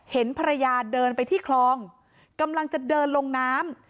เห็นภรรยาเดินไปที่คลองกำลังจะเดินลงน้ำ